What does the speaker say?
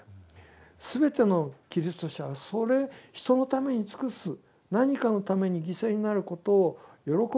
全てのキリスト者はそれ人のために尽くす何かのために犠牲になることを喜ぶ。